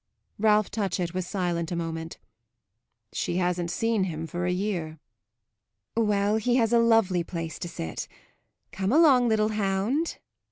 Ralph Touchett was silent a moment. "She hasn't seen him for a year." "Well, he has a lovely place to sit. Come along, little hound."